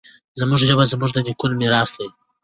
زموږ ژبه زموږ د نیکونو میراث دی.